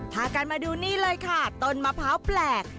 พากันมาดูนี่เลยค่ะต้นมะพร้าวแปลก